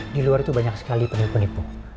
di luar itu banyak sekali penipu penipu